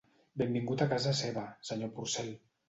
Benvingut a casa seva, senyor Porcel.